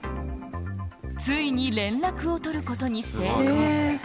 ついに連絡を取ることに成功。